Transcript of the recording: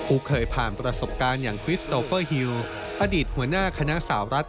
เคยผ่านประสบการณ์อย่างคริสโตเฟอร์ฮิวอดีตหัวหน้าคณะสาวรัฐ